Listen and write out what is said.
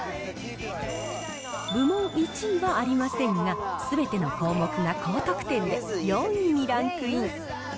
部門１位はありませんが、すべての項目が高得点で、４位にランクイン。